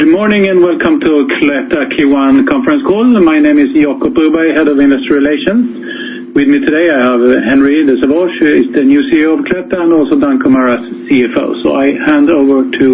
Good morning, and welcome to Cloetta Q1 conference call. My name is Jacob Broberg, Head of Industry Relations. With me today, I have Henri de Sauvage-Nolting, he's the new CEO of Cloetta, and also Danko Maras, CFO. So I hand over to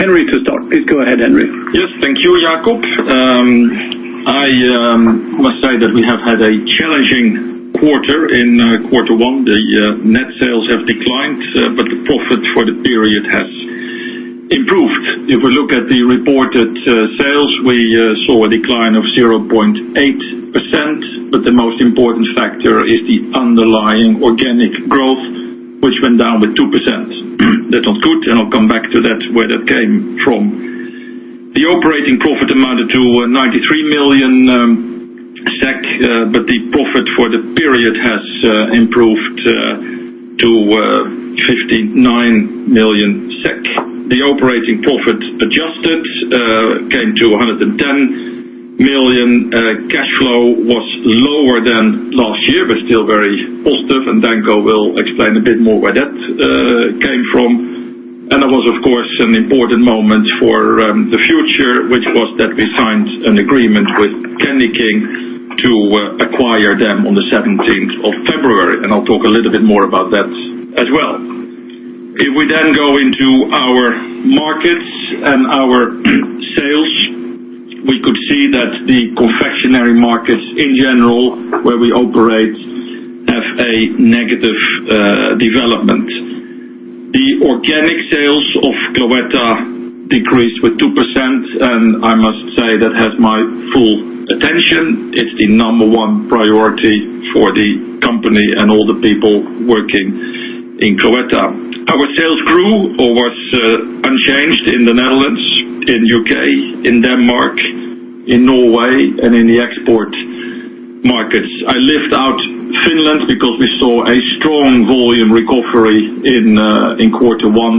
Henri to start. Please go ahead, Henri. Yes, thank you, Jacob. I must say that we have had a challenging quarter in Q1. The net sales have declined, but the profit for the period has improved. If we look at the reported sales, we saw a decline of 0.8%, but the most important factor is the underlying organic growth, which went down with 2%. That's not good, and I'll come back to that, where that came from. The operating profit amounted to 93 million SEK, but the profit for the period has improved to 59 million SEK. The operating profit adjusted came to 110 million. Cash flow was lower than last year, but still very positive, and Danko will explain a bit more where that came from. And there was, of course, an important moment for the future, which was that we signed an agreement with Candyking to acquire them on the seventeenth of February, and I'll talk a little bit more about that as well. If we then go into our markets and our sales, we could see that the confectionery markets in general, where we operate, have a negative development. The organic sales of Cloetta decreased with 2%, and I must say that has my full attention. It's the number one priority for the company and all the people working in Cloetta. Our sales grew or was unchanged in the Netherlands, in UK, in Denmark, in Norway, and in the export markets. I left out Finland because we saw a strong volume recovery in Q1,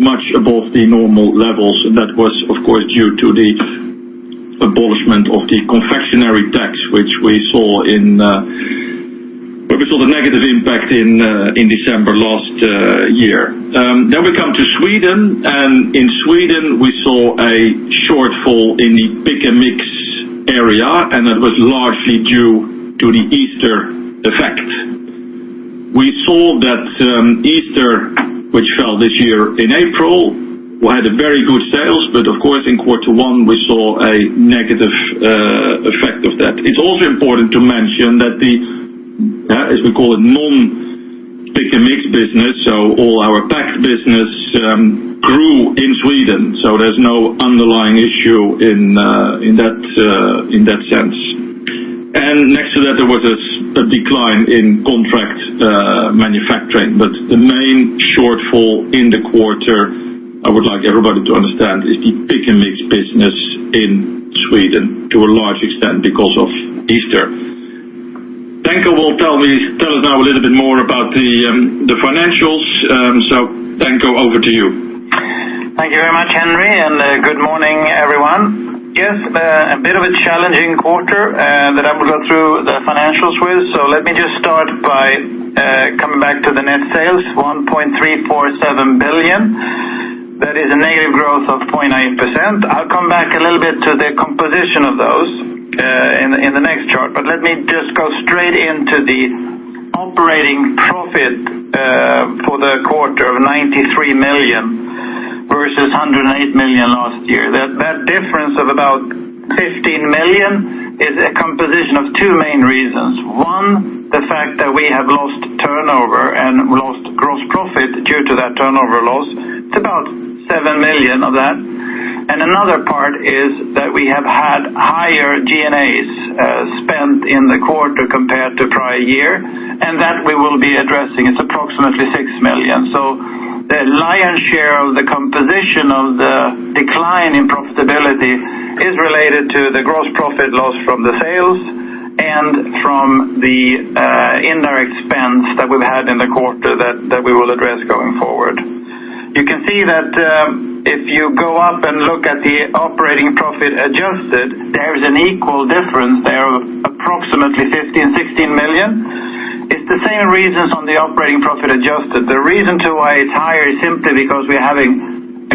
much above the normal levels, and that was, of course, due to the abolishment of the confectionery tax, which we saw in where we saw the negative impact in December last year. Then we come to Sweden, and in Sweden, we saw a shortfall in the Pick & Mix area, and that was largely due to the Easter effect. We saw that Easter, which fell this year in April, we had a very good sales, but of course, in Q1, we saw a negative effect of that. It's also important to mention that the, as we call it, non-pick-and-mix business, so all our pack business, grew in Sweden, so there's no underlying issue in that sense. Next to that, there was a decline in contract manufacturing, but the main shortfall in the quarter, I would like everybody to understand, is the Pick & Mix business in Sweden, to a large extent because of Easter. Danko will tell us now a little bit more about the financials, so Danko, over to you. Thank you very much, Henri, and, good morning, everyone. Yes, a bit of a challenging quarter, that I will go through the financials with. So let me just start by, coming back to the net sales, 1.347 billion. That is a negative growth of 0.9%. I'll come back a little bit to the composition of those, in, in the next chart, but let me just go straight into the operating profit, for the quarter of 93 million versus 108 million last year. That, that difference of about 15 million is a composition of two main reasons. One, the fact that we have lost turnover and lost gross profit due to that turnover loss, it's about 7 million of that. Another part is that we have had higher SG&A spend in the quarter compared to prior year, and that we will be addressing. It's approximately 6 million. So the lion's share of the composition of the decline in profitability is related to the gross profit loss from the sales and from the incurred expense that we've had in the quarter that we will address going forward. You can see that if you go up and look at the operating profit adjusted, there is an equal difference there of approximately 15-16 million. It's the same reasons on the operating profit adjusted. The reason to why it's higher is simply because we're having,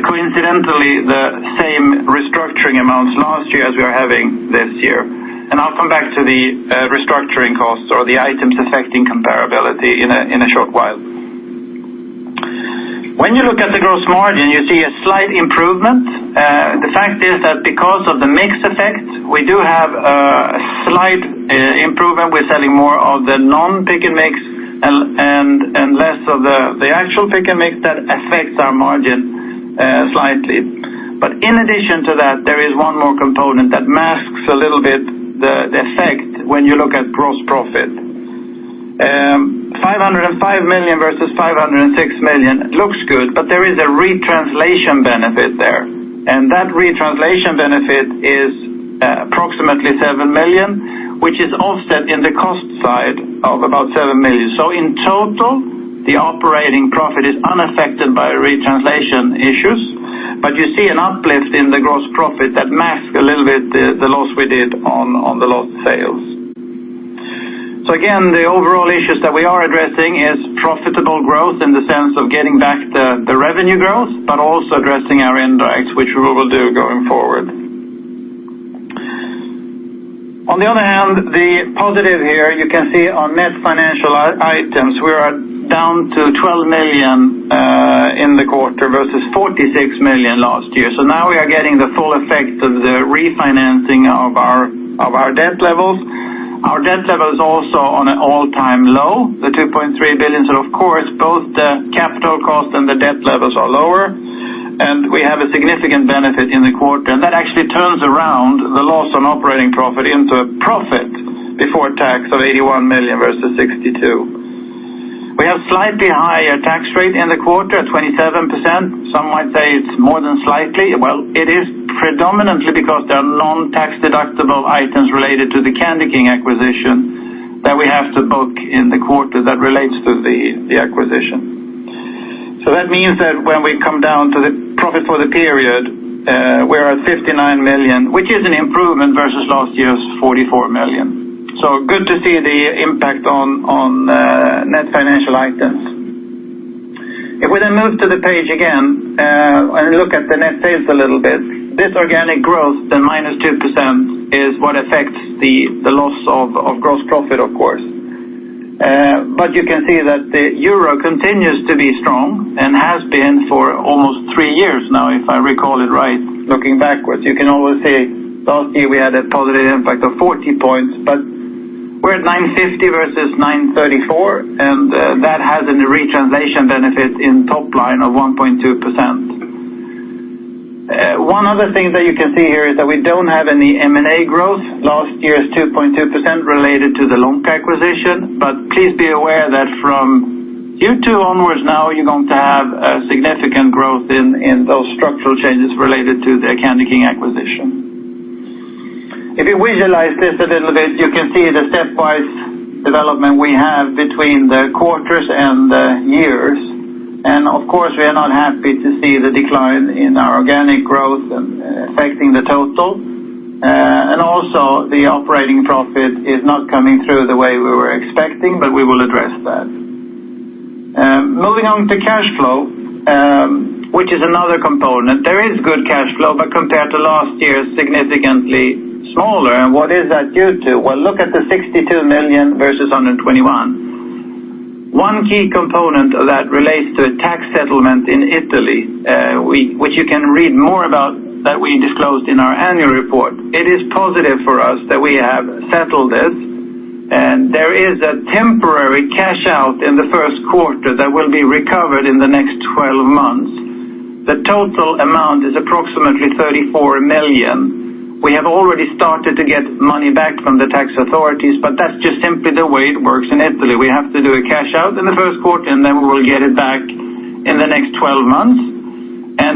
coincidentally, the same restructuring amounts last year as we are having this year. And I'll come back to the restructuring costs or the items affecting comparability in a short while. When you look at the gross margin, you see a slight improvement. The fact is that because of the mix effect, we do have a slight improvement. We're selling more of the non-Pick & Mix and less of the actual Pick & Mix. That affects our margin slightly. But in addition to that, there is one more component that masks a little bit the effect when you look at gross profit. 505 million versus 506 million looks good, but there is a retranslation benefit there. And that retranslation benefit is approximately 7 million, which is offset in the cost side of about 7 million. So in total, the operating profit is unaffected by retranslation issues, but you see an uplift in the gross profit that mask a little bit the loss we did on the lost sales. So again, the overall issues that we are addressing is profitable growth in the sense of getting back the revenue growth, but also addressing our end drives, which we will do going forward. On the other hand, the positive here, you can see on net financial items, we are down to 12 million in the quarter versus 46 million last year. So now we are getting the full effect of the refinancing of our debt levels. Our debt level is also on an all-time low, the 2.3 billion. So of course, both the capital cost and the debt levels are lower, and we have a significant benefit in the quarter. And that actually turns around the loss on operating profit into a profit before tax of 81 million versus 62 million. We have slightly higher tax rate in the quarter, at 27%. Some might say it's more than slightly. Well, it is predominantly because there are non-tax deductible items related to the Candyking acquisition that we have to book in the quarter that relates to the, the acquisition. So that means that when we come down to the profit for the period, we're at 59 million, which is an improvement versus last year's 44 million. So good to see the impact on, on, net financial items. If we then move to the page again, and look at the net sales a little bit, this organic growth, the -2%, is what affects the, the loss of, of gross profit, of course. But you can see that the euro continues to be strong and has been for almost 3 years now, if I recall it right, looking backwards. You can always say, last year, we had a positive impact of 40 points, but we're at 9.50 versus 9.34, and that has a retranslation benefit in top line of 1.2%. One other thing that you can see here is that we don't have any M&A growth. Last year's 2.2% related to the Lonka acquisition. But please be aware that from Q2 onwards, now you're going to have a significant growth in those structural changes related to the Candyking acquisition. If you visualize this a little bit, you can see the stepwise development we have between the quarters and the years. Of course, we are not happy to see the decline in our organic growth affecting the total. Also, the operating profit is not coming through the way we were expecting, but we will address that. Moving on to cash flow, which is another component. There is good cash flow, but compared to last year, significantly smaller. What is that due to? Well, look at the 62 million versus 121 million. One key component of that relates to a tax settlement in Italy, which you can read more about, that we disclosed in our annual report. It is positive for us that we have settled this, and there is a temporary cash out in the Q1 that will be recovered in the next 12 months. The total amount is approximately 34 million. We have already started to get money back from the tax authorities, but that's just simply the way it works in Italy. We have to do a cash out in the Q1, and then we will get it back in the next 12 months.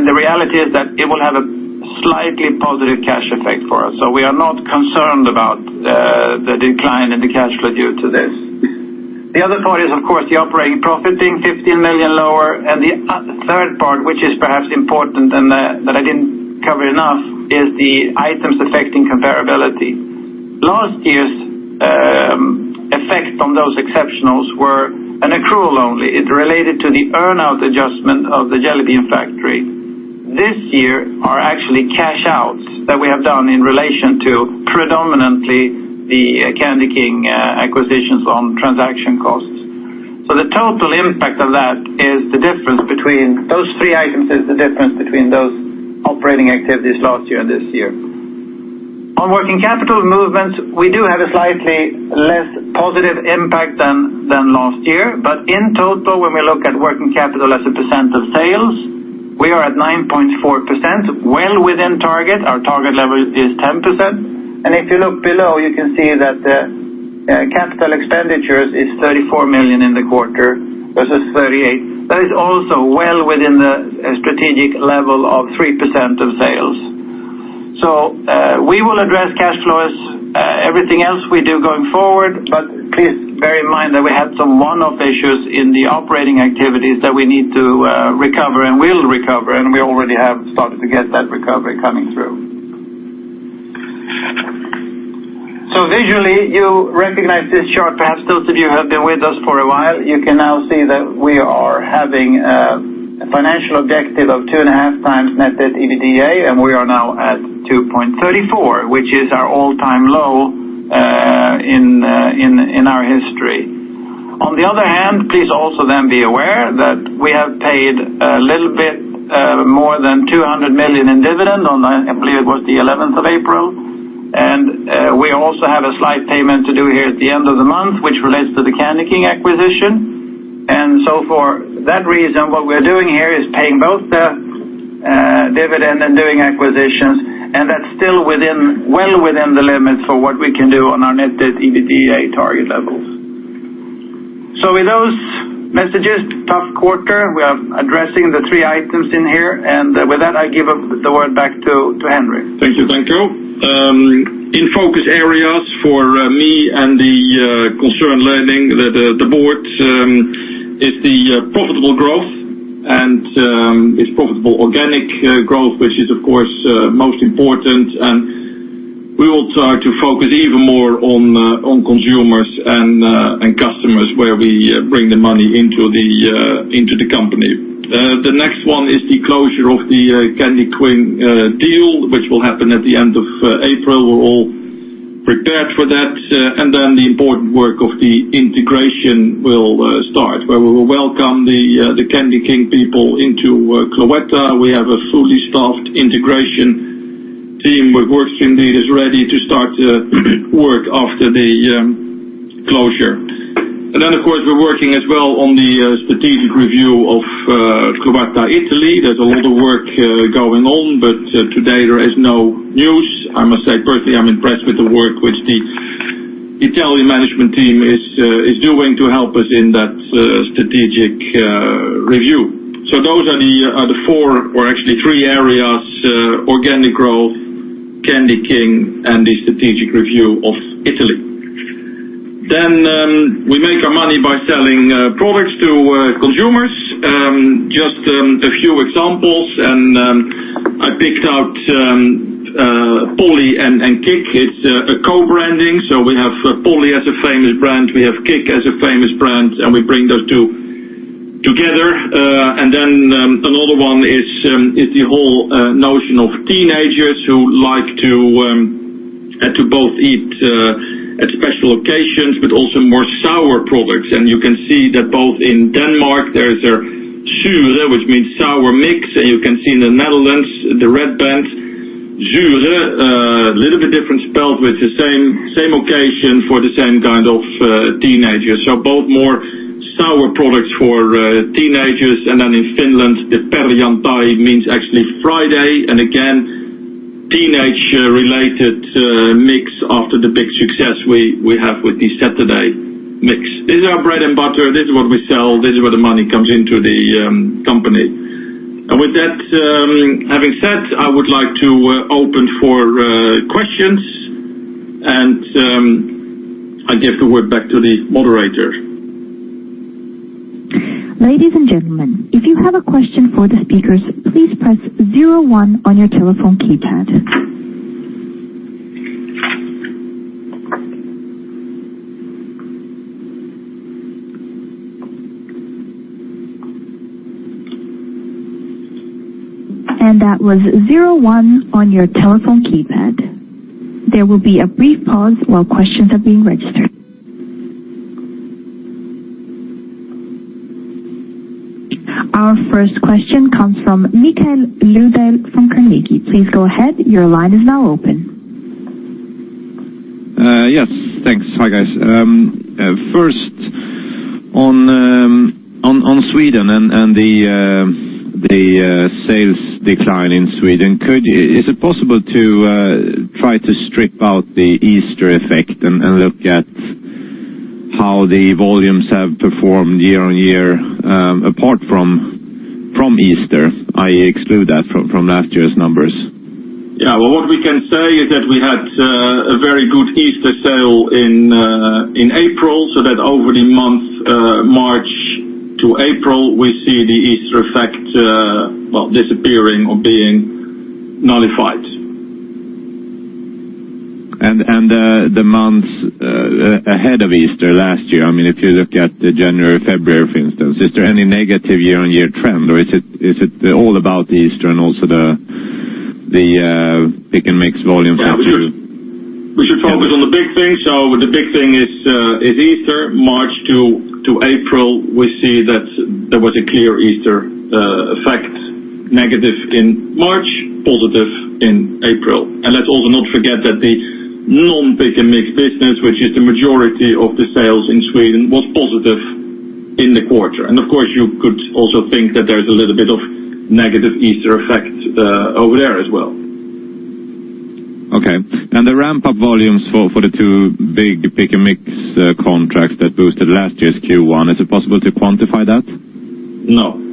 The reality is that it will have a slightly positive cash effect for us. So we are not concerned about the decline in the cash flow due to this. The other part is, of course, the operating profit being 15 million lower. The third part, which is perhaps important and that I didn't cover enough, is the items affecting comparability. Last year's effect from those exceptionals were an accrual only. It related to the earn out adjustment of the Jelly Bean Factory. This year are actually cash outs that we have done in relation to predominantly the Candyking acquisitions on transaction costs. So the total impact of that is the difference between... Those three items is the difference between those operating activities last year and this year. On working capital movements, we do have a slightly less positive impact than last year, but in total, when we look at working capital as a % of sales, we are at 9.4%, well within target. Our target level is 10%. And if you look below, you can see that the capital expenditures is 34 million in the quarter versus 38 million. That is also well within the strategic level of 3% of sales. We will address cash flows, everything else we do going forward, but please bear in mind that we had some one-off issues in the operating activities that we need to recover and will recover, and we already have started to get that recovery coming through. Visually, you recognize this chart. Perhaps those of you who have been with us for a while, you can now see that we are having a financial objective of 2.5 times net debt/EBITDA, and we are now at 2.34, which is our all-time low in our history. On the other hand, please also then be aware that we have paid a little bit more than 200 million in dividend on, I believe, it was the eleventh of April. And, we also have a slight payment to do here at the end of the month, which relates to the Candyking acquisition. And so for that reason, what we're doing here is paying both the, dividend and doing acquisitions, and that's still within, well within the limits of what we can do on our net debt/EBITDA target levels. So with those messages, tough quarter, we are addressing the three items in here, and, with that, I give up the word back to, to Henrik. Thank you, thank you. In focus areas for me and the governing board is profitable organic growth, which is, of course, most important. We will try to focus even more on consumers and customers where we bring the money into the company. The next one is the closure of the Candyking deal, which will happen at the end of April. We're all prepared for that. Then the important work of the integration will start, where we will welcome the Candyking people into Cloetta. We have a fully staffed integration team, and the work indeed is ready to start work after the closure. And then, of course, we're working as well on the strategic review of Cloetta Italy. There's a lot of work going on, but today there is no news. I must say, personally, I'm impressed with the work which the Italian management team is doing to help us in that strategic review. So those are the four or actually three areas: organic growth, Candyking, and the strategic review of Italy. Then, we make our money by selling products to consumers. Just a few examples, and I picked out Polly and Kick. It's a co-branding, so we have Polly as a famous brand, we have Kick as a famous brand, and we bring those two together. And then, another one is the whole notion of teenagers who like to both eat at special occasions, but also more sour products. And you can see that both in Denmark, there's a Sure, which means sour mix, and you can see in the Netherlands, the Red Band brand, Zure, little bit different spelled with the same, same occasion for the same kind of teenagers. So both more sour products for teenagers. And then in Finland, the Perjantai means actually Friday, and again, teenage related mix after the big success we have with the Saturday mix. This is our bread and butter. This is what we sell. This is where the money comes into the company. With that, having said, I would like to open for questions, and I give the word back to the moderator. Ladies and gentlemen, if you have a question for the speakers, please press zero-one on your telephone keypad. That was zero-one on your telephone keypad. There will be a brief pause while questions are being registered. Our first question comes from Mikael Laséen from Carnegie. Please go ahead. Your line is now open. Yes, thanks. Hi, guys. First on Sweden and the sales decline in Sweden, could... Is it possible to try to strip out the Easter effect and look at how the volumes have performed year on year, apart from Easter, I exclude that from last year's numbers? Yeah. Well, what we can say is that we had a very good Easter sale in April, so that over the month March to April, we see the Easter effect well disappearing or being nullified. the months ahead of Easter last year, I mean, if you look at the January, February, for instance, is there any negative year-on-year trend, or is it all about Easter and also the Pick & Mix volumes have to- We should focus on the big thing. So the big thing is Easter, March to April. We see that there was a clear Easter effect, negative in March, positive in April. And let's also not forget that the non-pick and mix business, which is the majority of the sales in Sweden, was positive in the quarter. And of course, you could also think that there's a little bit of negative Easter effect over there as well. Okay. And the ramp-up volumes for the two big Pick & Mix contracts that boosted last year's Q1, is it possible to quantify that? No.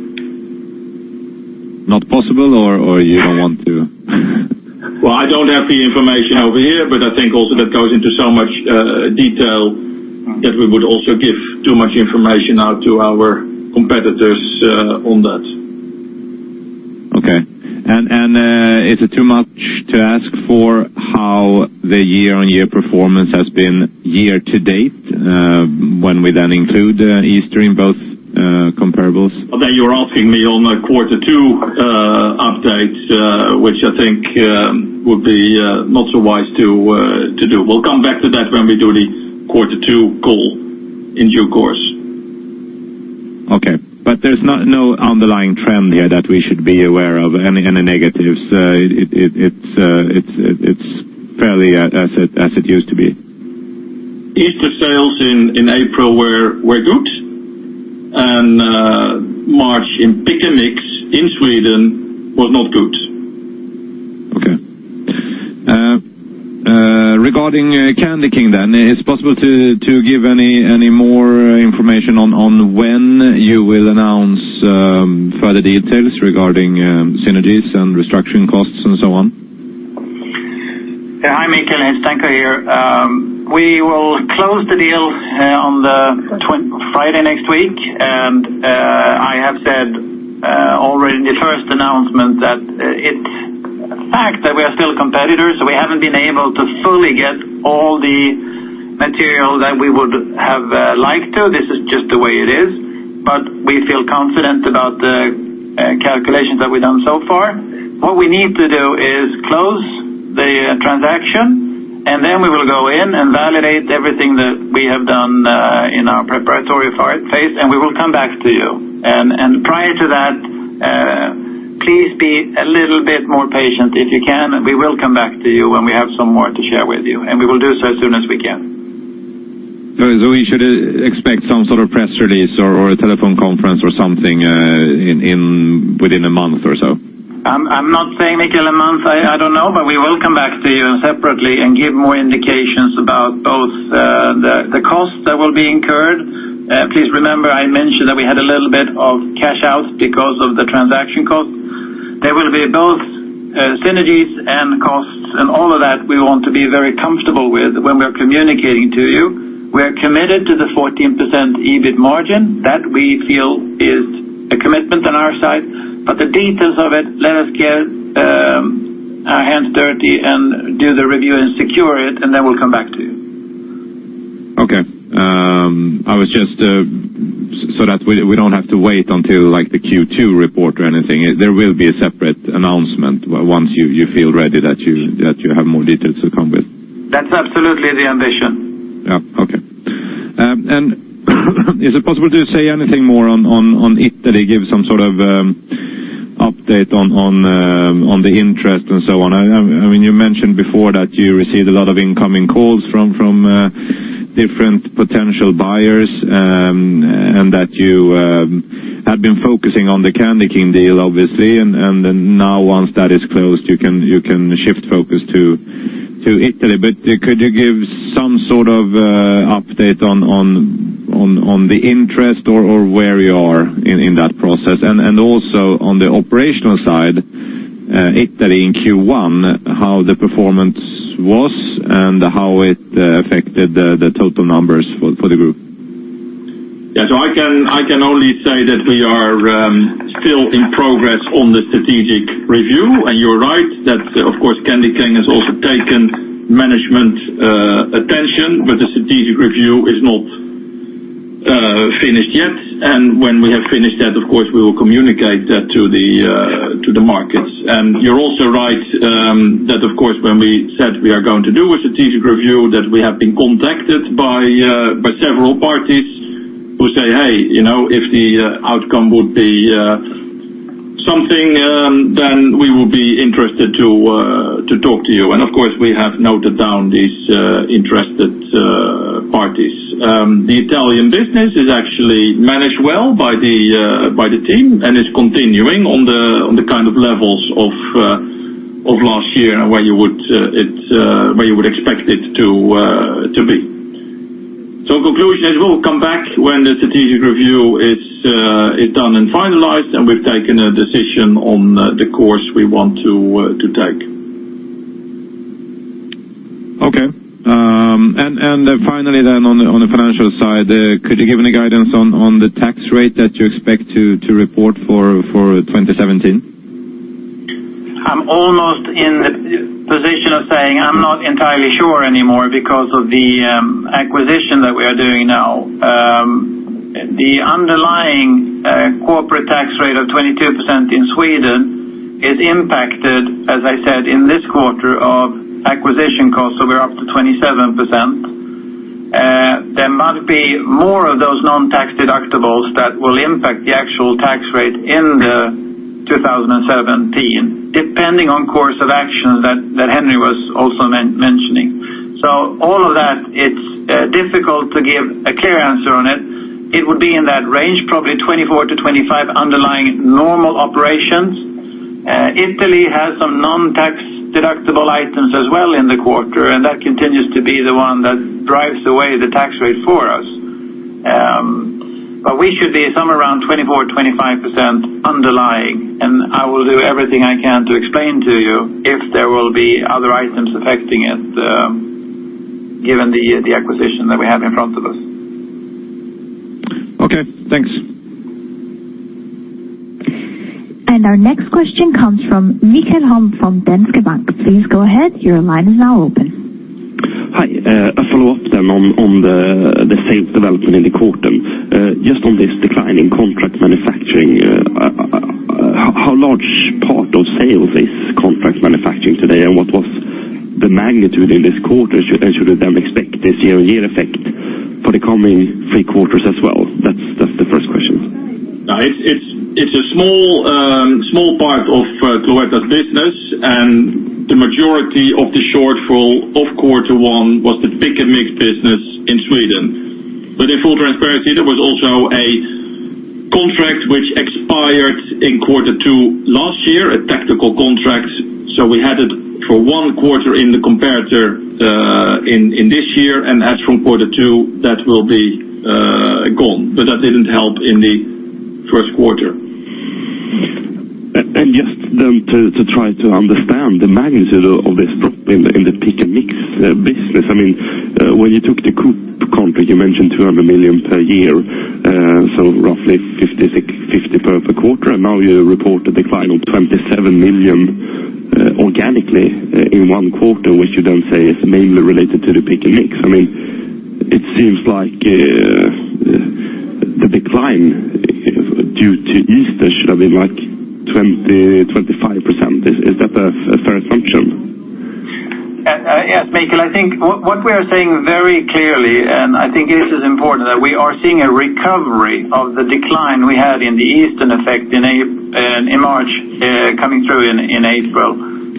Not possible, or, or you don't want to? Well, I don't have the information over here, but I think also that goes into so much detail, that we would also give too much information out to our competitors on that. Okay. And is it too much to ask for how the year-on-year performance has been year-to-date, when we then include Easter in both comparables? Well, then you're asking me on a quarter two update, which I think would be not so wise to do. We'll come back to that when we do the Q2 call in due course. Okay, but there's not no underlying trend here that we should be aware of, any negatives. It's fairly as it used to be. Easter sales in April were good, and March in Pick & Mix in Sweden was not good. Okay. Regarding Candyking then, it's possible to give any more information on when you will announce further details regarding synergies and restructuring costs and so on?... Hi, Mikael, it's Danko here. We will close the deal on Friday next week, and I have said already in the first announcement that it's a fact that we are still competitors, so we haven't been able to fully get all the material that we would have liked to. This is just the way it is. But we feel confident about the calculations that we've done so far. What we need to do is close the transaction, and then we will go in and validate everything that we have done in our preparatory phase, and we will come back to you. And prior to that, please be a little bit more patient, if you can. We will come back to you when we have some more to share with you, and we will do so as soon as we can. So we should expect some sort of press release or a telephone conference or something within a month or so? I'm not saying, Michael, a month. I don't know, but we will come back to you separately and give more indications about both the costs that will be incurred. Please remember, I mentioned that we had a little bit of cash out because of the transaction cost. There will be both synergies and costs, and all of that we want to be very comfortable with when we are communicating to you. We are committed to the 14% EBIT margin. That we feel is a commitment on our side, but the details of it, let us get our hands dirty and do the review and secure it, and then we'll come back to you. Okay. So that we don't have to wait until, like, the Q2 report or anything, there will be a separate announcement once you feel ready that you have more details to come with? That's absolutely the ambition. Yeah. Okay. And is it possible to say anything more on Italy? Give some sort of update on the interest and so on. I mean, you mentioned before that you received a lot of incoming calls from different potential buyers, and that you had been focusing on the Candyking deal, obviously. And then now, once that is closed, you can shift focus to Italy. But could you give some sort of update on the interest or where you are in that process? And also, on the operational side, Italy in Q1, how the performance was and how it affected the total numbers for the group. Yeah, so I can, I can only say that we are still in progress on the strategic review. And you're right, that, of course, Candyking has also taken management attention, but the strategic review is not finished yet. And when we have finished that, of course, we will communicate that to the markets. And you're also right, that of course, when we said we are going to do a strategic review, that we have been contacted by several parties who say, "Hey, you know, if the outcome would be something, then we would be interested to talk to you." And of course, we have noted down these interested parties. The Italian business is actually managed well by the team and is continuing on the kind of levels of last year, where you would expect it to be. So conclusion is, we'll come back when the strategic review is done and finalized, and we've taken a decision on the course we want to take. Okay. And then, finally, on the financial side, could you give any guidance on the tax rate that you expect to report for 2017? I'm almost in the position of saying I'm not entirely sure anymore because of the acquisition that we are doing now. The underlying corporate tax rate of 22% in Sweden is impacted, as I said, in this quarter of acquisition costs, so we're up to 27%. There might be more of those non-tax deductibles that will impact the actual tax rate in 2017, depending on course of action that Henry was also mentioning. So all of that, it's difficult to give a clear answer on it. It would be in that range, probably 24%-25%, underlying normal operations. Italy has some non-tax deductible items as well in the quarter, and that continues to be the one that drives away the tax rate for us. But we should be somewhere around 24%-25% underlying, and I will do everything I can to explain to you if there will be other items affecting it, given the acquisition that we have in front of us. Okay, thanks. Our next question comes from Mikael Holm from Danske Bank. Please go ahead, your line is now open. Hi, a follow-up then on the sales development in the quarter. Just on this decline in contract manufacturing, how large part of sales is contract manufacturing today, and what was the magnitude in this quarter? And should have them expect this year, year effect for the coming three quarters as well? That's the first question. It's a small part of Cloetta's business, and the majority of the shortfall of Q1 was the Pick & Mix business in Sweden. But in full transparency, there was also a contract which expired in quarter two last year, a tactical contract, so we had it for one quarter in the comparator, in this year, and as from quarter two, that will be gone, but that didn't help in the Q1. And just then to try to understand the magnitude of this in the Pick & Mix business. I mean, when you took the Coop contract, you mentioned 200 million per year, so roughly 50-60, 50 per quarter, and now you report a decline of 27 million, organically, in one quarter, which you don't say is mainly related to the Pick & Mix. I mean, it seems like, the decline is due to Easter should have been, like, 20-25%. Is that a fair assumption? Yes, Michael, I think what we are saying very clearly, and I think this is important, that we are seeing a recovery of the decline we had in the Easter effect in March, coming through in April.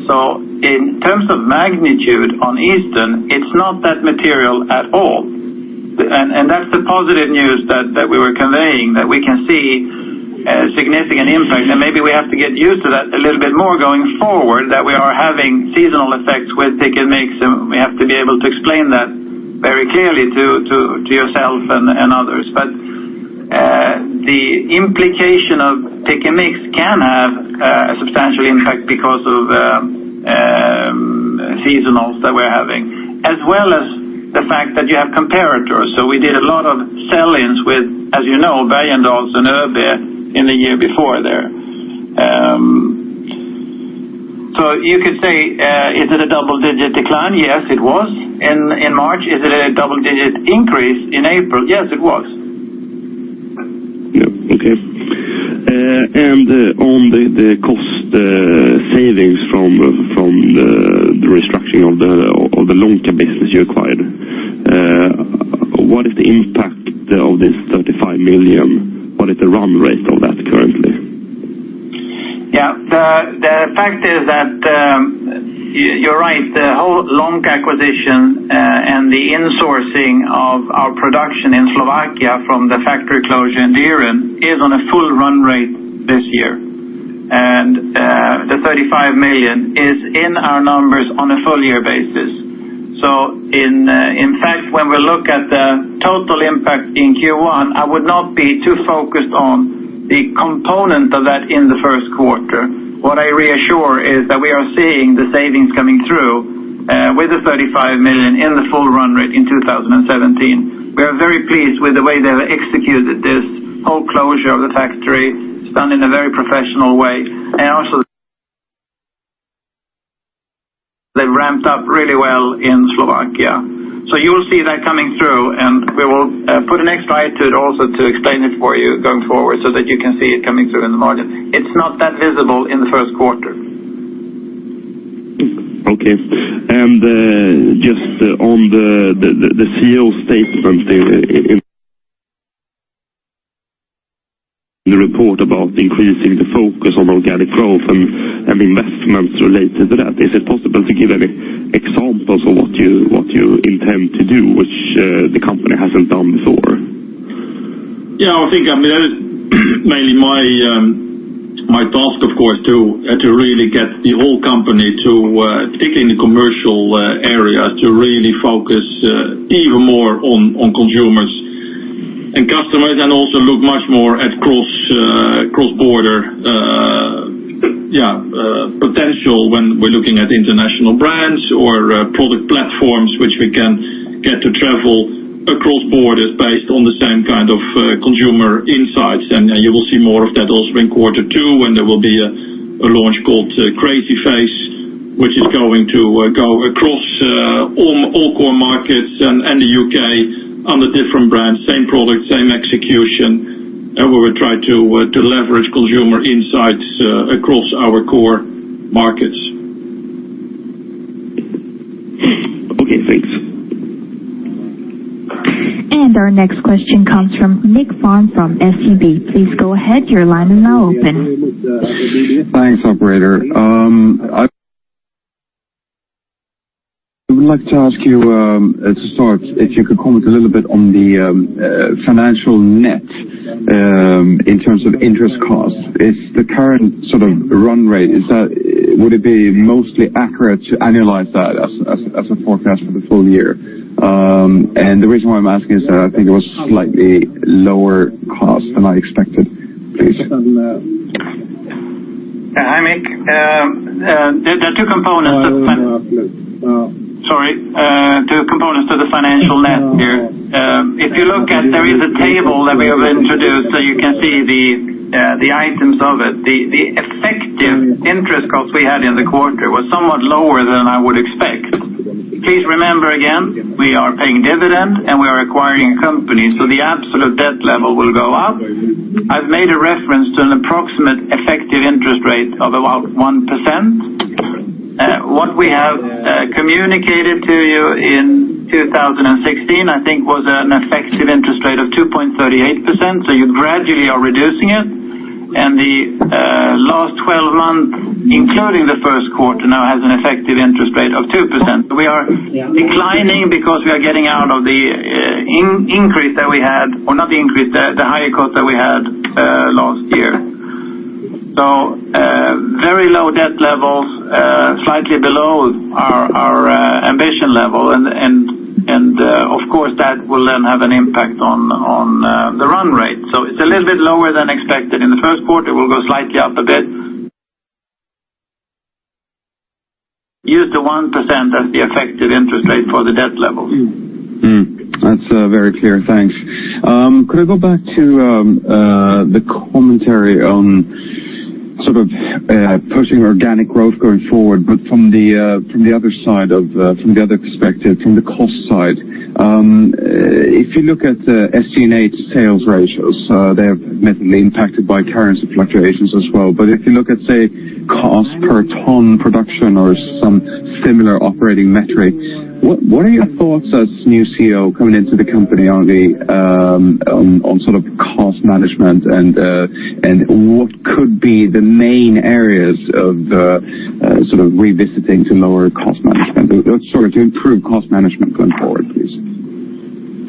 So in terms of magnitude on Easter, it's not that material at all. And that's the positive news that we were conveying, that we can see a significant impact, and maybe we have to get used to that a little bit more going forward, that we are having seasonal effects with Pick & Mix, and we have to be able to explain that very clearly to yourself and others. But the implication of Pick & Mix can have a substantial impact because of seasonals that we're having, as well as the fact that you have comparators. So we did a lot of sell-ins with, as you know, Valentines and Easter in the year before there. So you could say, is it a double-digit decline? Yes, it was, in March. Is it a double-digit increase in April? Yes, it was. Yeah. Okay. On the cost savings from the restructuring of the Lonka business you acquired, what is the impact of this 35 million? What is the run rate of that currently? Yeah. The fact is that you're right, the whole Lonka acquisition and the insourcing of our production in Slovakia from the factory closure in Dieren is on a full run rate this year. And the 35 million is in our numbers on a full year basis. So in fact, when we look at the total impact in Q1, I would not be too focused on the component of that in the Q1. What I reassure is that we are seeing the savings coming through with the 35 million in the full run rate in 2017. We are very pleased with the way they've executed this whole closure of the factory, done in a very professional way. And also, they've ramped up really well in Slovakia. So you will see that coming through, and we will put an X by it to it also to explain it for you going forward, so that you can see it coming through in the margin. It's not that visible in the Q1. Okay. And just on the CEO statement in the report about increasing the focus on organic growth and investments related to that, is it possible to give any examples of what you intend to do, which the company hasn't done before? Yeah, I think, I mean, mainly my task, of course, to really get the whole company to particularly in the commercial area, to really focus even more on consumers and customers, and also look much more at cross-border potential when we're looking at international brands or product platforms, which we can get to travel across borders based on the same kind of consumer insights. You will see more of that also in quarter two, when there will be a launch called Crazy Face, which is going to go across all core markets and the UK under different brands, same product, same execution. And we will try to leverage consumer insights across our core markets. Okay, thanks. Our next question comes from Nicklas Fhärm from SEB. Please go ahead, your line is now open. Thanks, operator. I would like to ask you to start, if you could comment a little bit on the financial net in terms of interest costs. Is the current sort of run rate, is that, would it be mostly accurate to annualize that as a forecast for the full year? And the reason why I'm asking is that I think it was slightly lower cost than I expected. Please. Hi, Nick. There are two components of- Oh. Sorry, two components to the financial net here. If you look at, there is a table that we have introduced, so you can see the, the items of it. The effective interest costs we had in the quarter was somewhat lower than I would expect. Please remember, again, we are paying dividend, and we are acquiring companies, so the absolute debt level will go up. I've made a reference to an approximate effective interest rate of about 1%. What we have communicated to you in 2016, I think, was an effective interest rate of 2.38%, so you gradually are reducing it. And the last 12 months, including the Q1, now has an effective interest rate of 2%. We are declining because we are getting out of the increase that we had, or not the increase, the higher cost that we had. So, very low debt levels, slightly below our ambition level. And, of course, that will then have an impact on the run rate. So it's a little bit lower than expected. In the Q1, it will go slightly up a bit. Use the 1% as the effective interest rate for the debt level. That's very clear. Thanks. Could I go back to the commentary on sort of pushing organic growth going forward, but from the other side of from the other perspective, from the cost side? If you look at the SG&A to sales ratios, they have been impacted by currency fluctuations as well. But if you look at, say, cost per ton production or some similar operating metrics, what are your thoughts as new CEO coming into the company, Henri, on sort of cost management and what could be the main areas of sort of revisiting to lower cost management? Sorry, to improve cost management going forward, please.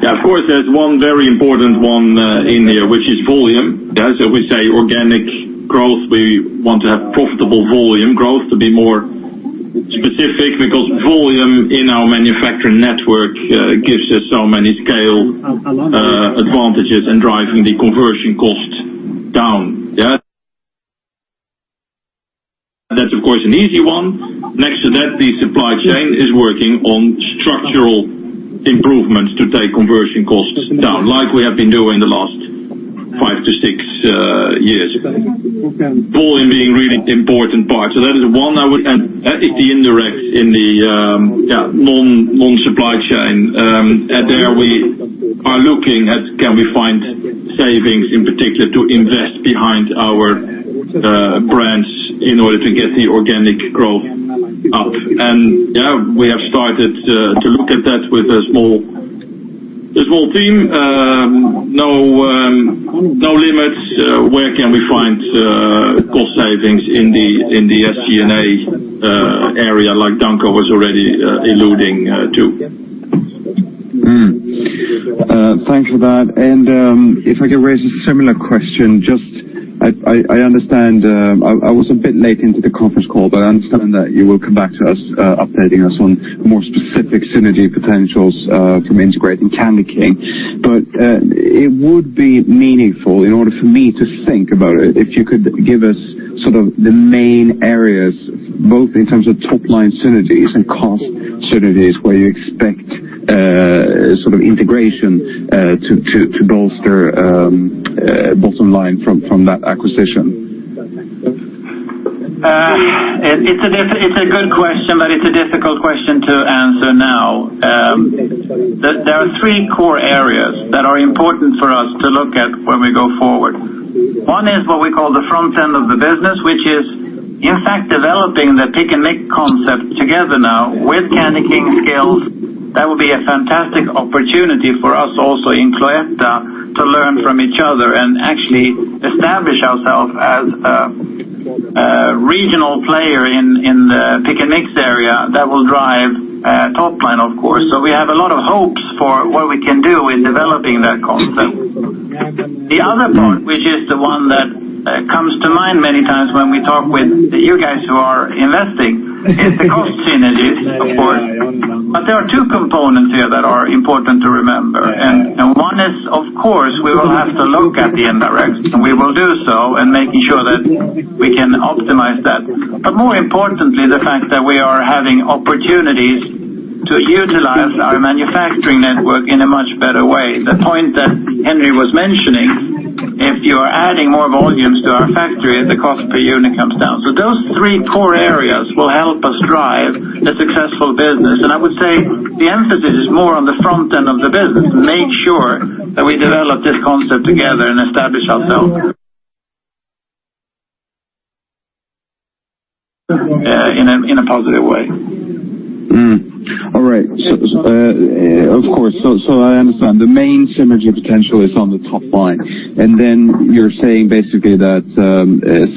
Yeah, of course, there's one very important one in there, which is volume. Yeah, so we say organic growth. We want to have profitable volume growth, to be more specific, because volume in our manufacturing network gives us so many scale advantages in driving the conversion cost down. Yeah. That's, of course, an easy one. Next to that, the supply chain is working on structural improvements to take conversion costs down, like we have been doing the last 5-6 years. Volume being a really important part. So that is one and the indirect in the non-supply chain. And there we are looking at can we find savings, in particular, to invest behind our brands in order to get the organic growth up. Yeah, we have started to look at that with a small team. No limits where we can find cost savings in the SG&A area, like Danko was already alluding to? Thank you for that. And if I could raise a similar question, just I understand I was a bit late into the conference call, but I understand that you will come back to us updating us on more specific synergy potentials from integrating Candyking. But it would be meaningful, in order for me to think about it, if you could give us sort of the main areas, both in terms of top-line synergies and cost synergies, where you expect sort of integration to bolster bottom line from that acquisition. It's a good question, but it's a difficult question to answer now. There are three core areas that are important for us to look at when we go forward. One is what we call the front end of the business, which is, in fact, developing the Pick & Mix concept together now with Candyking skills. That would be a fantastic opportunity for us also in Cloetta to learn from each other and actually establish ourselves as a regional player in the Pick & Mix area. That will drive top line, of course. So we have a lot of hopes for what we can do in developing that concept. The other part, which is the one that comes to mind many times when we talk with you guys who are investing, is the cost synergies, of course. But there are two components here that are important to remember, and one is, of course, we will have to look at the indirect, and we will do so in making sure that we can optimize that. But more importantly, the fact that we are having opportunities to utilize our manufacturing network in a much better way. The point that Henri was mentioning, if you are adding more volumes to our factory, the cost per unit comes down. So those three core areas will help us drive a successful business. And I would say the emphasis is more on the front end of the business, make sure that we develop this concept together and establish ourselves in a positive way. All right. So, of course, I understand. The main synergy potential is on the top line, and then you're saying basically that,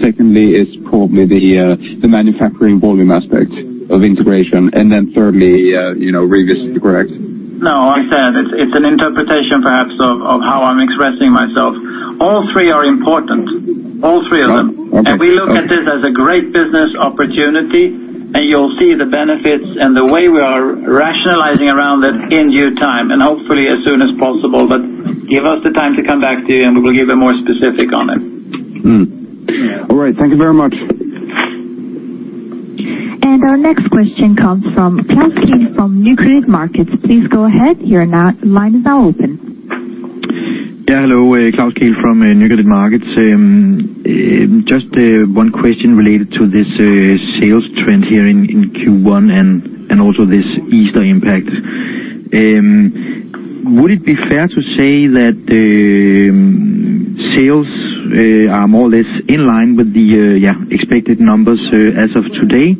secondly, it's probably the manufacturing volume aspect of integration, and then thirdly, you know, revisit, correct? No, I said it's an interpretation, perhaps, of how I'm expressing myself. All three are important, all three of them. Okay. We look at this as a great business opportunity, and you'll see the benefits and the way we are rationalizing around it in due time, and hopefully as soon as possible. But give us the time to come back to you, and we will give you more specific on it. All right. Thank you very much. Our next question comes from Klaus Kehl from Nykredit Markets. Please go ahead. Your line is now open. Yeah, hello, Klaus Kehl from Nykredit Markets. Just one question related to this sales trend here in Q1 and also this Easter impact. Would it be fair to say that sales are more or less in line with the expected numbers as of today?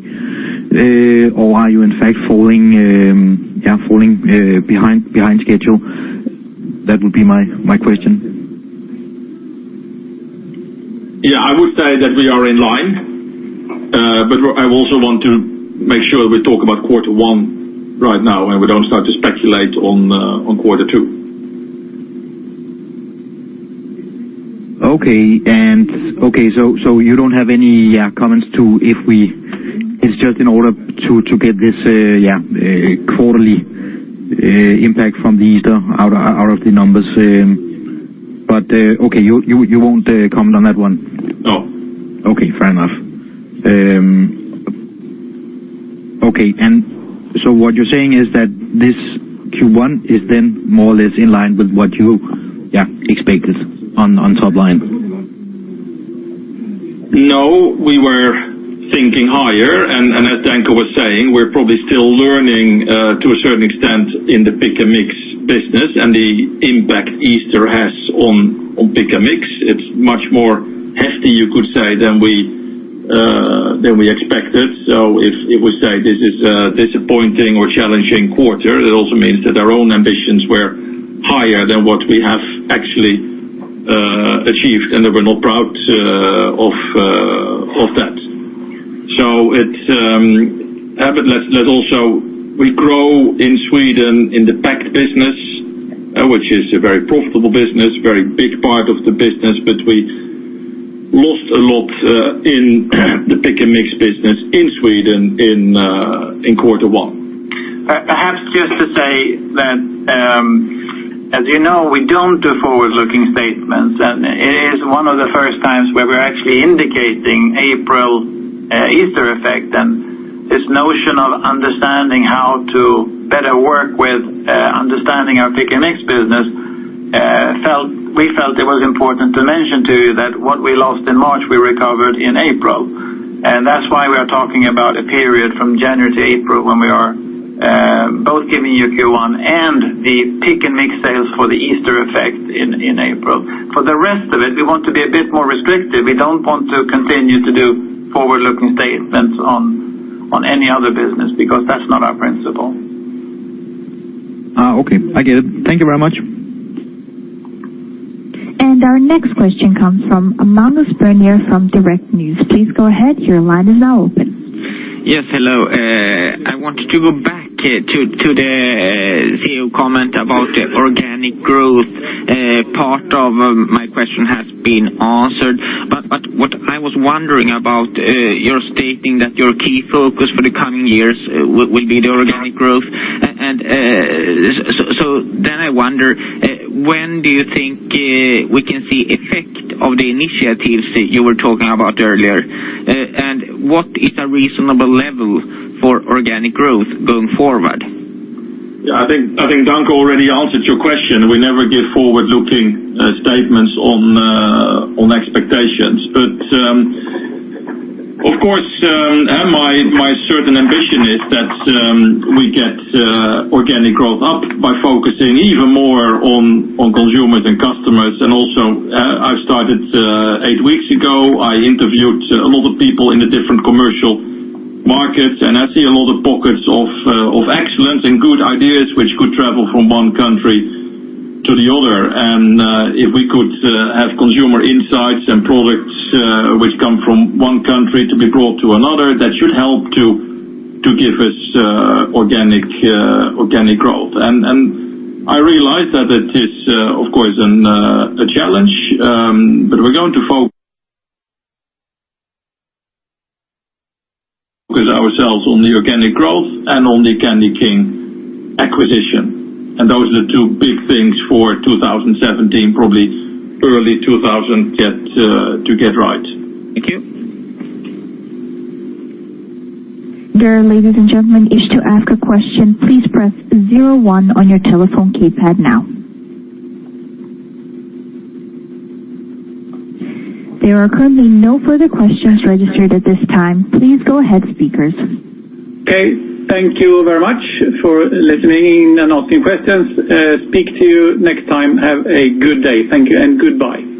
Or are you in fact falling behind schedule? That would be my question. Yeah, I would say that we are in line, but I also want to make sure we talk about Q1 right now, and we don't start to speculate on, on quarter two.... Okay, and okay, so you don't have any comments to if we—it's just in order to get this quarterly impact from the Easter out of the numbers. But okay, you won't comment on that one? No. Okay, fair enough. Okay, and so what you're saying is that this Q1 is then more or less in line with what you, yeah, expected on, on top line? No, we were thinking higher, and as Danko was saying, we're probably still learning to a certain extent in the Pick & Mix business and the impact Easter has on Pick & Mix. It's much more hefty, you could say, than we expected. So if we say this is a disappointing or challenging quarter, it also means that our own ambitions were higher than what we have actually achieved, and we're not proud of that. So it's but let's also, we grow in Sweden in the pack business, which is a very profitable business, very big part of the business, but we lost a lot in the Pick & Mix business in Sweden in Q1. Perhaps just to say that, as you know, we don't do forward-looking statements, and it is one of the first times where we're actually indicating April, Easter effect and this notion of understanding how to better work with, understanding our Pick & Mix business, we felt it was important to mention to you that what we lost in March, we recovered in April. And that's why we are talking about a period from January to April when we are, both giving you Q1 and the Pick & Mix sales for the Easter effect in April. For the rest of it, we want to be a bit more restrictive. We don't want to continue to do forward-looking statements on any other business, because that's not our principle. Ah, okay, I get it. Thank you very much. Our next question comes from Magnus Bernet from Nyhetsbyrån Direkt. Please go ahead, your line is now open. Yes, hello. I wanted to go back to the CEO comment about the organic growth. Part of my question has been answered, but what I was wondering about, you're stating that your key focus for the coming years will be the organic growth. And so then I wonder, when do you think we can see effect of the initiatives that you were talking about earlier? And what is a reasonable level for organic growth going forward? Yeah, I think, I think Danko already answered your question. We never give forward-looking statements on expectations. But, of course, my, my certain ambition is that, we get organic growth up by focusing even more on consumers and customers. And also, I started eight weeks ago. I interviewed a lot of people in the different commercial markets, and I see a lot of pockets of excellence and good ideas which could travel from one country to the other. And, if we could, have consumer insights and products, which come from one country to be brought to another, that should help to, to give us, organic, organic growth. I realize that it is, of course, a challenge, but we're going to focus ourselves on the organic growth and on the Candyking acquisition. And those are the two big things for 2017, probably early 2000 to get right. Thank you. Dear ladies and gentlemen, if you wish to ask a question, please press zero one on your telephone keypad now. There are currently no further questions registered at this time. Please go ahead, speakers. Okay, thank you very much for listening and asking questions. Speak to you next time. Have a good day. Thank you and goodbye.